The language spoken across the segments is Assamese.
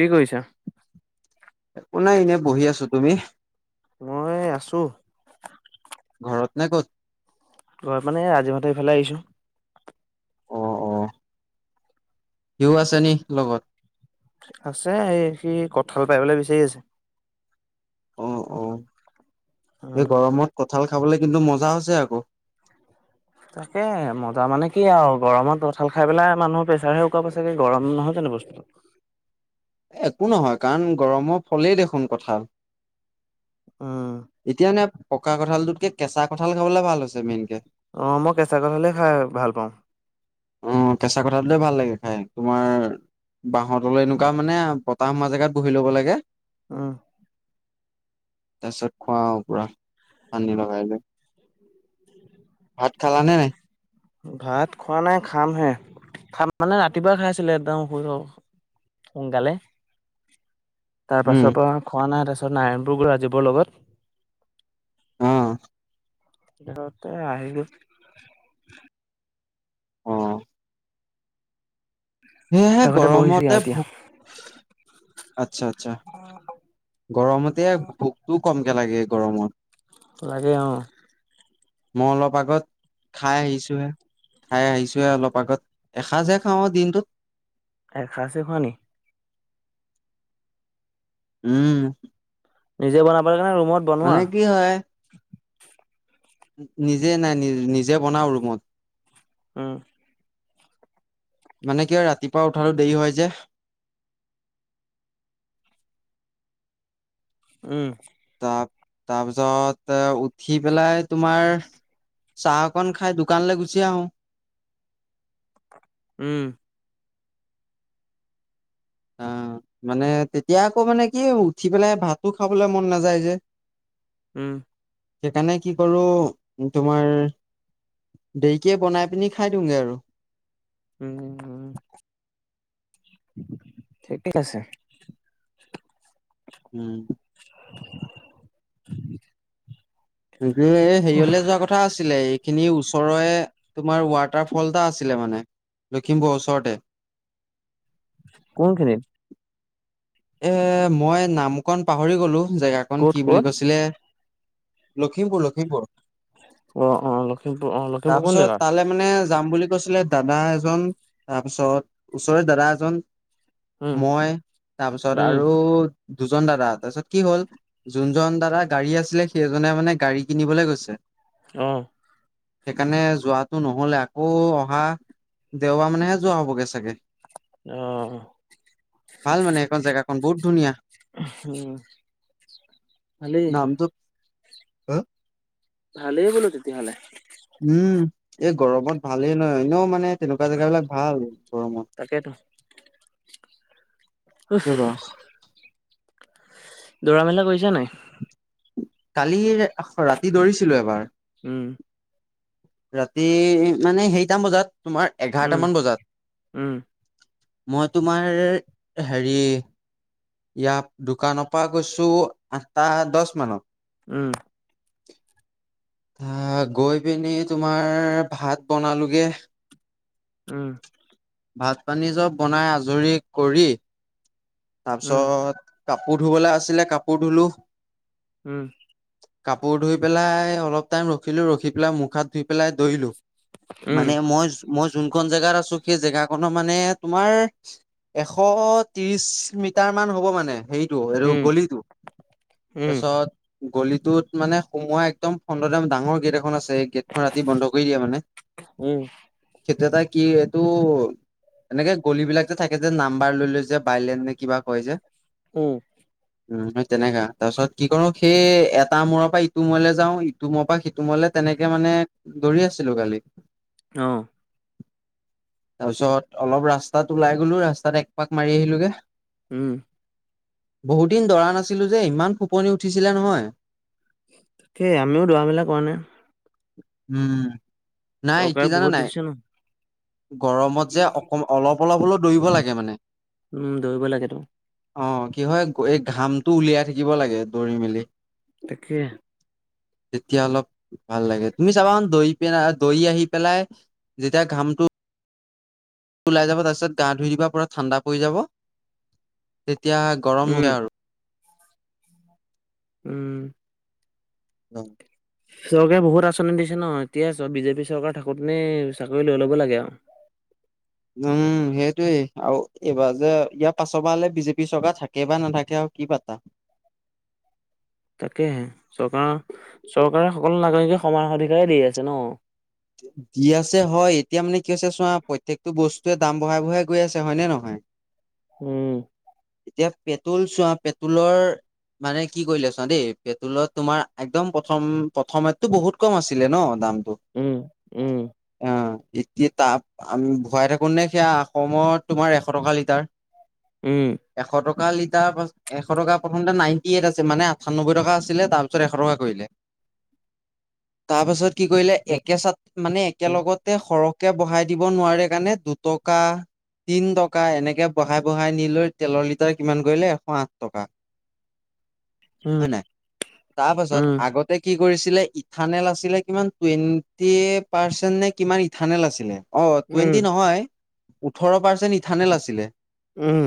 কি কৰিছা? একো নাই এনে বহি আছো তুমি? মই আছো ঘৰত নে ক'ত? ঘৰত মানে এ আজি হতে ইফালে আহিছো। অ অ সি ও আছে নি লগত? আছে এই সি কঁঠাল পাৰিবলে বিচাৰি আছে। অ অ উম এই গৰমত কঠাল খাবলৈ কিন্তু মজা হৈছে আকৌ তাকে মজা মানে কি আৰু গৰমত কঠাল খাই পেলাই মানুহৰ প্ৰেছাৰহে ওকাব ছাগে গৰম নহয় তে। অন বস্তু। একো নহয় কাৰণ গৰমৰ ফলেই দেখোন কঁঠাল। উম এতিয়া নে পকা কঠালটোতকে কেঁচা কঠাল খাবলে ভাল হৈছে মেইনকে। অ মই কেঁচা কঠাল হলে খাই ভাল পাওঁ। অ কেঁচা কঠালটোৱে ভাল লাগে খাই তোমাৰ। বাহতলৈ এনেকুৱা মানে বতাহ সোমোৱা জেগাত বহি ল'ব লাগে। আহ। তাৰপিছত খোৱাওঁ পুৰা পানী লগাই লৈ। ভাত খাল নে নাই। ভাত খোৱা নাই খামহে খাম মানে ৰাতিপুৱা খাই আছিলে একদম শ। সোন কালে। তাৰ উম পাছৰ পৰা খোৱা নাই তাৰপাছত নাৰায়ণপুৰগৰাজীৱৰ লগত। আহ। সতে আহিব। অ। সেয়েহে কাষতে বহিছোহি আৰু গৰমতে এতিয়া ভোক আচ্ছা। আচ্ছা অ। গৰমতে বহুতো কমকে লাগে গৰমত। লাগে অ। মই অলপ আগত, খাই আহিছোঁহে। খাই আহিছোৱে অলপ আগত, এসাঁজে খাওঁ দিনটোত। এ খাচী খোৱানি। উম। নিজে বনাব কাৰণে। ৰুমত বনোৱা মানে কি হয়। নিজে নাই নি নিজে বনাও ৰুমত। আহ। মানে কিয় ৰাতিপুৱা উঠালোঁ দেৰি হয় যে। [unintelligible] উম। তাৰপিছত উঠি পেলাই তোমাৰ। চাহ অকন খাই দোকানলৈ গুচি আহোঁ। উম। অ। মানে তেতিয়া আকৌ মানে কি উঠি পেলাই ভাতো খাবলৈ মন নাযায় যে। উম। সেইকাৰণে কি কৰো তোমাৰ। দেইৰিকে বনাই পিনি খাই দিওঁগৈ আৰু। উম ঠিক ঠিক আছে। উম। উম। যে হেৰিয়লৈ যোৱা কথা আছিলে এইখিনি ওচৰৰে। তোমাৰ ৱাটাৰফল এটা আছিলে মানে, লখিমপুৰ ওচৰতে। কোনখিনি। এ মই নামকণ পাহৰি গলো জেগাকন ক'ত কি বুলি ক'ত? কৈছিলে। লখিমপুৰ লখিমপুৰ। অ অ লক্ষিমপুৰ অ লখিমপুৰ কোন তাৰপিছত জেগা। তালৈ মানে যাম বুলি কৈছিলে দাদা এজন তাৰপিছত ওচৰে দাদা এজন। উম, মই তাৰপিছত উম, আৰু। দুজন দাদা তাৰপিছত কি হল যোনজন দাদা গাড়ী আছিলে সেইজনে মানে গাড়ী কিনিবলৈ গৈছে। অহ। সেইকাৰণে যোৱাটো নহলে আকৌ অহা দেওবাৰ মানেহে যোৱা হবগে চাগে। অহ। জেগাখন বহুত ধুনীয়া ভালেই, নামটো। হা। ভালে বোলো তেতিয়াহলে। উম এই গৰমত ভালেই নহয় এনেও মানে তেনেকুৱা জেগাবিলাক ভাল গৰমত। তাকেতো, কেনেকুৱা দৌৰা মেলা কৰিছা নাই। কালি ৰাতি দৌৰিছিলো এবাৰ উম ৰাতি মানে সেইটা মান বজাত থ্য় উম, এঘাৰটামান বজাত উম, মই তোমাৰ হেৰি। ইয়াত দোকানৰ পৰা গৈছো আঠটা দহ মানত। উম। অহ গৈ প নি। তোমাৰ ভাত বনালোগে। উম। ভাত পানী চব বনাই আজৰি কৰি উম, তাৰপিছত। কাপোৰ ধুবলৈ আছিলে কাপোৰ ধুলো। উম। কাপোৰ ধুই পেলাই অলপ টাইম ৰখিলো ৰখি পেলাই মুখ হাত ধুই পেলাই দৰিলো। উম, মানে মই মই যোনখন জেগাত আছো সেই জেগাখনৰ মানে তোমাৰ। এশ ত্ৰিশ মিটাৰ মান হ'ব মানে হেই। এই উম, গলি তো উম, তাৰপাছত। গলিটোত মানে সোমোৱা একদম ফন্দম ডাঙৰ গেট এখন আছে। ৰাতি বন্ধ কৰি দিয়া মানে উম, সেইটো এটা কি এইটো। এনেকে গলিবলাক যে থাকে যে নাম্বাৰ লৈ লৈ যে বাইলেন নে কিবা কয় যে। উম। উম তেনেকা তাৰ পিছত কি কৰো সেই এটা মূৰ পৰা ইটো মূৰলে যাওঁ ইটো মূৰ পৰা। তোমালে তেনেকে মানে দৌৰি আছিলো কালি। অহ। তাৰপিছত অলপ ৰাস্তাত ওলাই গলো ৰাস্তাত একপাক মাৰি আহিলোগে। উম। বহুতদিন দৰা নাছিলোঁ যে ইমান ফোপনি উঠিছিলে নহয়। তাকেই আমিও দৰা মেলা কৰা নাই। উম। নাই কি চৰকাৰে জানা বহুত নাই দিছে ন। গৰমত যে অক অলপ অলপ হলেও দৌৰিব লাগে মানে। উম, দৌৰিব লাগেতো, অ কি হয় এই ঘামটো উলিয়াই থাকিব লাগে দৰি মেলি। তাকেই তেতিয়া অলপ ভাল লাগে। তুমি চাবা দৰি পি দৰি আহি পেলাই যেতিয়া ঘামটো ওলাই যাব তাৰছত গা ধুই দিবা পুৰা ঠাণ্ডা পৰি যাব এতিয়া গৰম উম, নহে আৰু। উম উম চৰকাৰে বহুত আঁচনি দিছে ন এতিয়া চ বিজেপি চৰকাৰ থাকোতে চাকৰি লৈ লব লাগে আৰু। [unintelligible] উম সেইটোয়েই আৰু এইবাৰ যে ইয়াৰ পাছৰ পৰা হলে বিজেপি চৰকাৰ থাকে বা নাথাকে আৰু! কি পাত্তা? তাকেহে, চৰকাৰ চৰকাৰে সকলো নাগৰিকে সমান অধিকাৰেই দি আছে ন। দি আছে হয়, এতিয়া মানে কি হৈছে চোৱা প্ৰত্যেকটো বস্তুৱেই দাম বঢ়াই বঢ়াই গৈ আছে হয়নে নহয়? [unintelligible] উম। এতিয়া পেট্ৰল চোৱা পেট্ৰলৰ মানে কি কৰিলে চা দেই, পেট্ৰলত তোমাৰ একদম প্ৰথম প্ৰথমটো বহুত কম আছিলে ন দামটো। উম উম। অঁ এতিয়া তাত আমি ভৰাই থাকো নে সেয়া অসমত তোমাৰ এশ টকা লিটাৰ? উম। এশ টকা লিটাৰ এশ টকা প্ৰথমতে নাইনটি এইট আছে মানে আঠান্নব্বৈ টকা আছিলে তাৰ পিছত এশ টকা কৰিলে। তাৰপাছত কি কৰিলে একেছাত মানে একেলগতে সৰ। তিয় বঢ়াই দিব নোৱাৰে কাৰণে দুটকা তিন টকা এনেকে বঢ়াই বঢ়াই নি লৈ তেলৰ লিটাৰ কিমান কৰিলে এশ আঠ টকা। তাৰ পাছত উম আগতে কি কৰিছিলে ইথানেল আছিলে কিমান টুৱেণ্টি পাৰ্চেন্ট নে কিমান ইথানেল আছিলে। অ উম টুৱেণ্টি নহয় ওঠৰ পাৰ্চেণ্ট ইথানেল আছিলে। উম।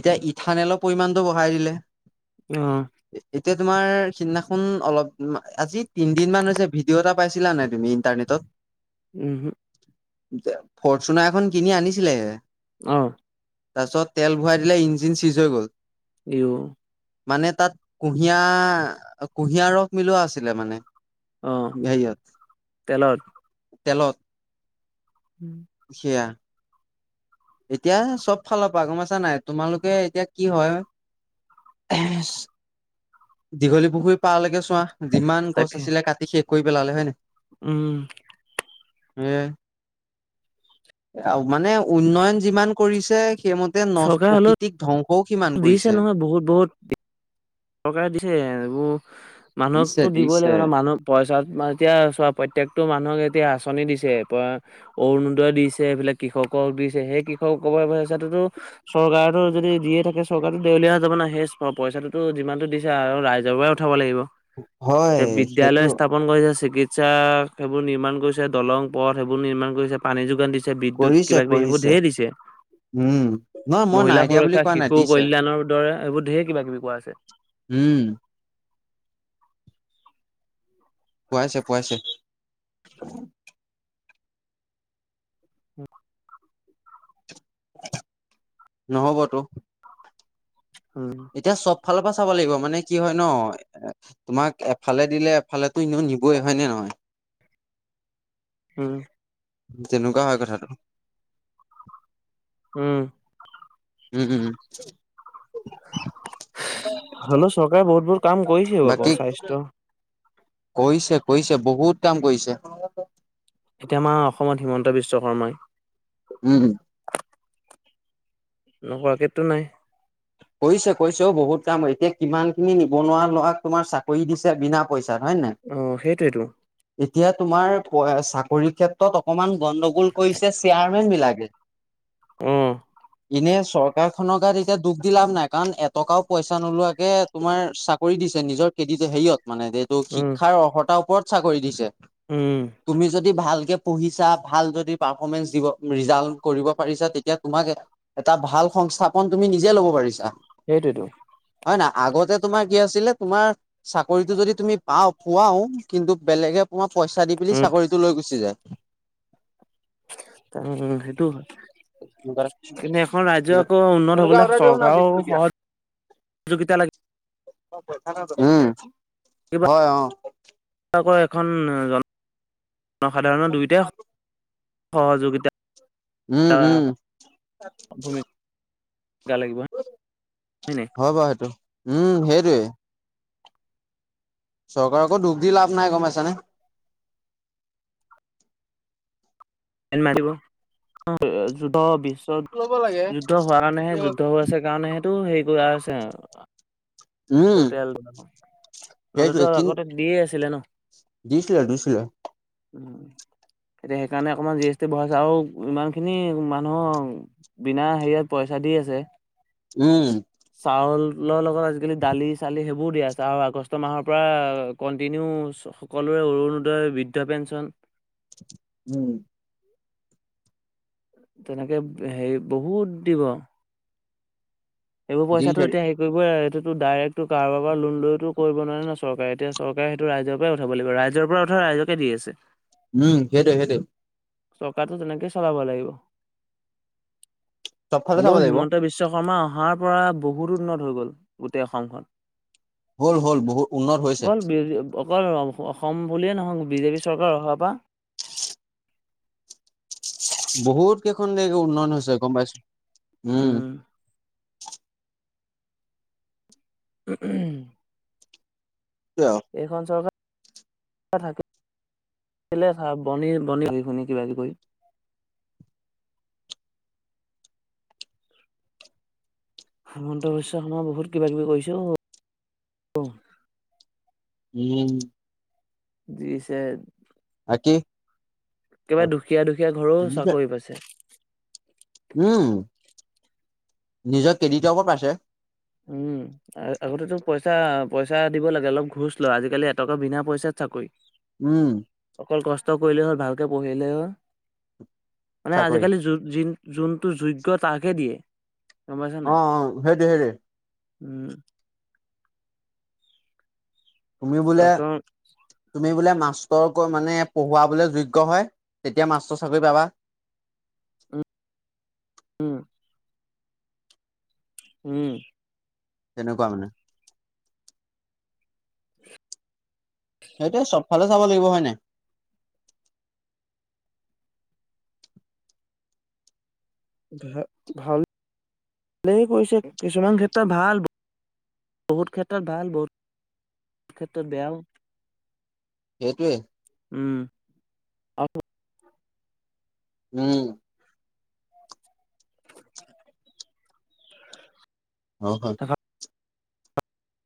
এতিয়া ইথানেলৰ পৰিমাণটো বঢ়াই দিলে। অঁ। এতিয়া তোমাৰ সিদিনাখন অলপ আজি তিনদিন মান হৈছে ভিডিঅ' এটা পাইছিলা নাই তুমি উম ইন্টাৰনেটত, ফৰ্চুনাৰ এখন কিনি আনিছিলেহে অঁ। তাৰপিছত তেল ভৰাই দিলে ইঞ্জিন চিজ হৈ গ'ল। ইও। মানে তাত কুঁহিয়াৰ কুঁহিয়াৰ ৰস মিলোৱা আছিলে মানে। অহ হেৰিয়ত তেলত? তেলত, সেয়া। এতিয়া চব ফালৰ পৰা গম পাইছা নাই তোমালোকে এতিয়া কি হয় দীঘলী পুখুৰী পাৰলৈকে চোৱা যিমান গছ তাকে আছিলে কাটি শেষ কৰি পেলালে হয় নাই? উম। এয়াই আৰু মানে উন্নয়ন যিমান কৰিছে সেইমতে নচ চৰকাৰে হলেও প্ৰকৃতিক ধ্বংসও সিমান দিছে কৰিছে। নহয় বহুত বহুত চৰকাৰে দিছে এইবোৰ দিছে মানুহকতো দিবই দিছে লাগিব ন মানুহক পইচা মানে এতিয়া চোৱা প্ৰত্যেকটো মানুহকে এতিয়া আঁচনি দিছে, অৰুণোদয়ে দিছে, এইফালে কৃষকক দিছে, সেই কৃষকৰ পইচাটো তহ চৰকাৰেতো যদি দিয়ে থাকে চৰকাৰো দেউলীয়া হৈ যাব না সেই পইচাটো যিমানটো দিছে আৰু ৰাইজৰ পৰাই উঠাব লাগিব। হয় এতিয়া সেইটো বিদ্যালয় স্থাপন কৰিছে, চিকিৎসা সেইবোৰ নিৰ্মাণ কৰিছে, দলং পথ সেইবোৰ নিৰ্মাণ কৰিছে, পানী যোগান দিছে, বিদ্যুত কৰিছে কিবা কিবি সেইবোৰ কৰিছে ঢেই দিছে উম নহয় মই মহিলা নাই দিয়া বুলি সুৰক্ষা, কোৱা নাই শিশু দিছে কল্যাণৰ দৰে এইবোৰ ঢেই কিবা কিবি কোৱাইছে। উম। পোৱাইছে পোৱাইছে। উম। নহবতো। উম এতিয়া চব এফালৰ পৰা চাব লাগিব মানে কি হয় ন এ তোমাক এফালে দিলে এফালে এনেও‌ নিবই হয় নে নহয়। [inaudible] উম। জেনুকা হয় কথাটো। উম। উম উম উম হলও চৰকাৰে বহুত বহু কাম কৰিছেও আকৌ স্বাস্থ্য। কৈছে কৈছে বহুত কাম কৰিছে। এতিয়া আমাৰ অসমত হিমন্ত বিশ্ব শৰ্মাই উম হম। নোহোৱাকেটো নাই। কৈছে কৈছেও বহুত কাম এতিয়া কিমান খিনি নিবনুৱা লৰাক তোমাৰ চাকৰি দিছে বিনা পইচা ওহ সেইটোৱেইতো। এতিয়া তোমাৰ চাকৰি ক্ষেত্ৰত অকমান গণ্ডগোল কৰিছে চেয়াৰমেন বিলাকে। উম। এনে চৰকাৰ খনক গাত এতিয়া দুখ। লাভ নাই কাৰণ এটকাও পইচা নোলোৱাকে তোমাৰ চাকৰি দিছে নিজৰ কেৰডিট হেৰিয়ত। মানে যিহেতু উম শিক্ষাৰ অৰ্হতাৰ ওপৰত চাকৰি দিছে। উম। তুমি যদি ভালকে পঢ়িছা ভাল যদি পাৰ্ফমেন্ঞ্চ দিব ৰিজাল্ট কৰিব পাৰিছা তেতিয়া তোমাক। এটা ভাল সংস্থাপন তুমি নিজে ল'ব। পাৰিছা সেইটোৱেতো। হয় নাই আগতে তোমাৰ কি আছিলে তোমাৰ চাকৰিতটো যদি তুমি পাও পুৱাও কিন্তু বেলেগে পইচা দি পেলি উম চাকৰিটো লৈ গুচি যায়। উ উ সেইটো হয়। কিন্তু এখন ৰাজ্য আকৌ উন্নত এনেকুৱা হবলৈ অৰ্ডাৰ দিয়ক না চৰকাৰও বিশ টকীয়া সহজ। সহযোগিতা লাগ। উম কিবা হয় অ। এখন জনসাধাৰণৰ দুয়োটাই সহযোগিতা। উম উম। গা লাগিব হয় নাই। হয় বাৰু সেইটো উম সেইটোৱে। চৰকাৰকো দুখ দি লাভ নাই গম পাইছানে। [unintelligible] পত যুদ্ধ ল'ব লাগে হোৱাৰ কাৰণেহে এতিয়া হ'ল। যুদ্ধ হৈ আছে কাৰণে সেইটো হেৰি কৰা হৈছে। উম তেল ব নহলেতো সেইটোৱে কিন আগতে দিয়ে আছিলে ন। দিছিলে দিছিলে এতিয়া সেইকাৰণে অকণমান জি এছ টি বঢ়াইছে আৰু ইমান খিনি মানুহৰ বিনা হেৰিয়ত পইচা। দি আছে। উম। লগ লগত আজিকালি দালি চালি। বহুত দিয়া আছে আৰু আগষ্ট মাহৰ পৰা কন্টিনিউ সকলোৰে অৰুণোদয়, বৃদ্ধ পেঞ্চন। উম। তেনেকে হেৰি বহুত দিব। এইবোৰ পইচাটো দিছে এতিয়া হেৰি কৰিবই। ডাইৰেক্টটো কাৰোবাৰ পৰা লোন লৈতো কৰিব নোৱাৰে ন চৰকাৰে এতিয়া চৰকাৰে সেইটো ৰাইজৰ পৰাই উঠাব লাগিব ৰাইজৰ পৰা উঠাব। ৰাইজকে দি আছে। উম হেইটোয়ে হেইটোয়ে। টকাটো তেনেকেই চলাব লাগিব। চবফালে হলও চাব লাগিব। হিমন্ত বিশ্ব শৰ্মা অহাৰ পৰা বহুতো উন্নত হৈ গল গোটেই অসমখন। হ'ল হ'ল বহুত উন্নত হৈছে। অকল বি অকল অসম বুলিয়ে নহওঁক বিজেপি চৰকাৰ অহা পা। বহুত কেইখন দেশ উন্নয়ন হৈছে গম পাইছোঁ। উম। উম। সেইটোৱে আৰু এইখন চৰকাৰ থাকে। কেলে চা বনি বনি বি শুনি কিবা কিবি কৰি। [unintelligible] হিমন্ত বিশ্ব শৰ্মা বহুত কিবা কিবি কৰিছেও উম দিছে। বাকি। কিবা দুখীয়া দুখীয়া ঘৰো চাকৰি পাইছে। উম নিজৰ কেডিটৰ ওপৰত পাইছে। উম আগতে ত পইচা। পইচা দিব লাগে অলপ ঘোচ লয় আজিকালি এটকা বিনা পইচাত চাকৰি। উম। অকল কষ্ট কৰিলেই হ'ল ভালকে পঢ়িলেই হ'ল মানে চাকৰি আজিকালি। যোনটো যোগ্য তাকে দিয়ে। গম পাইছা অ নাই অ হেতোয়ে হেতোয়ে। উম। তুমি বোলে চৰকাৰ তুমি বোলে মা। ইচৰক মানে পঢ়োৱা বলে যোগ্য হয় তেতিয়া মাস্তৰ চাকৰি পাবা। উম [unintelligible] উম উম। তেনেকুৱা মানে। সেইটোৱে চবফালে চাব লাগিব হয় নাই। ভ ভাল ভালেই কৰিছে কিছুমান ক্ষেত্ৰত ভাল। বহুত ক্ষেত্ৰত ভাল বহুত বহুত ক্ষেত্ৰত বেয়াও। সেইটোৱে। উম [unintelligible] উম। অ হয়। আৰু